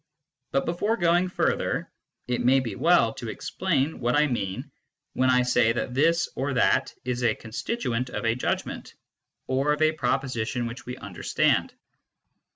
But before going further, it may be well to explain what I mean when I say that this or that is a constituent of a judgment, or of a proposition which we understand.